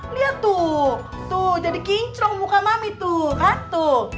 lihat tuh tuh jadi kinclong muka mami tuh kan tuh